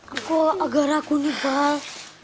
aku agak rakuni bal